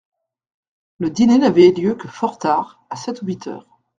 Le dîner n'avait lieu que fort tard, à sept ou huit heures.